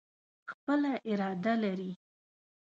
خپله اراده لري.